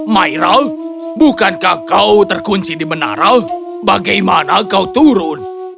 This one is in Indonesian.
myral bukankah kau terkunci di menara bagaimana kau turun